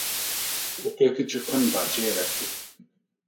ওকে কিছুক্ষণ বাঁচিয়ে রাখি।